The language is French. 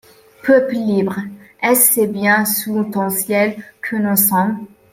Peuple, libre, est-ce bien sous ton ciel que nous -sommes ?